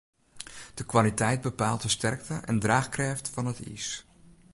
De kwaliteit bepaalt de sterkte en draachkrêft fan it iis.